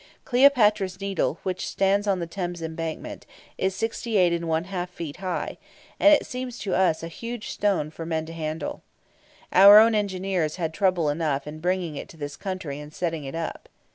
Cleopatra's Needle, which stands on the Thames Embankment, is 68 1/2 feet high, and it seems to us a huge stone for men to handle. Our own engineers had trouble enough in bringing it to this country, and setting it up.